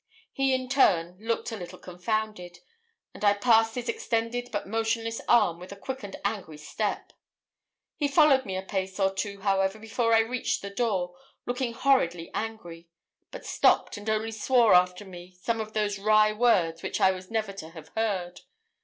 He in turn looked a little confounded; and I passed his extended but motionless arm with a quick and angry step. He followed me a pace or two, however, before I reached the door, looking horridly angry, but stopped, and only swore after me some of those 'wry words' which I was never to have heard.